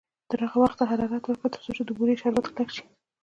تر هغه وخته حرارت ورکړئ تر څو د بورې شربت کلک شي.